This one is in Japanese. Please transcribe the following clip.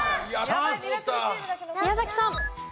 宮崎さん。